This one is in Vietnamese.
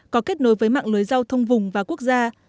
có kết nối với mạng lưới giao thông vùng và quốc gia